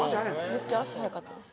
めっちゃ足速かったんです。